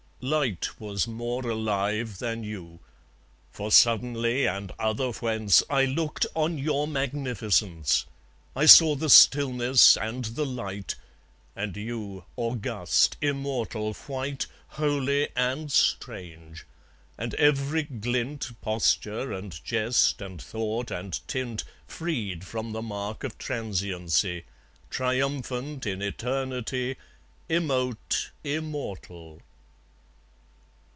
Light was more alive than you. For suddenly, and otherwhence, I looked on your magnificence. I saw the stillness and the light, And you, august, immortal, white, Holy and strange; and every glint Posture and jest and thought and tint Freed from the mask of transiency, Triumphant in eternity, Immote, immortal.